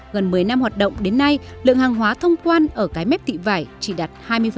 gần một mươi năm hoạt động đến nay lượng hàng hóa thông quan ở cái mép thị vải chỉ đạt hai mươi